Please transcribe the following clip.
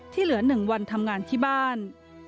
เหลือ๑วันทำงานที่บ้าน